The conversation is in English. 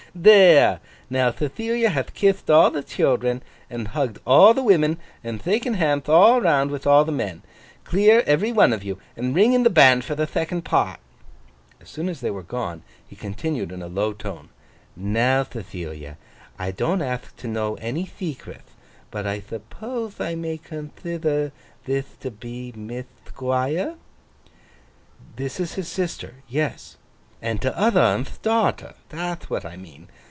'There! Now Thethilia hath kithd all the children, and hugged all the women, and thaken handth all round with all the men, clear, every one of you, and ring in the band for the thecond part!' As soon as they were gone, he continued in a low tone. 'Now, Thethilia, I don't athk to know any thecreth, but I thuppothe I may conthider thith to be Mith Thquire.' 'This is his sister. Yes.' 'And t'other on'th daughter. That'h what I mean.